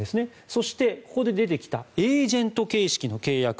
そして、ここで出てきたエージェント形式の契約。